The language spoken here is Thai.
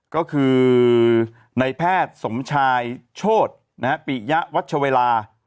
ก็คือนายแพทย์สมชายโชฏนะฮะปิยะวัชเวลา